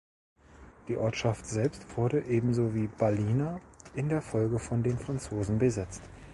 Die Ortschaft selbst wurde, ebenso wie Ballina, in der Folge von den Franzosen besetzt.